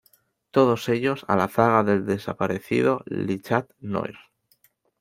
Todos ellos a la zaga del desaparecido Le Chat Noir.